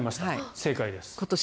正解です。